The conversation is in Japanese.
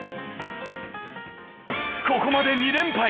ここまで２連敗！